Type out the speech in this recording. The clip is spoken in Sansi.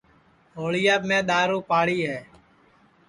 ہوݪِیاپ میں دؔارُو پاڑی ہے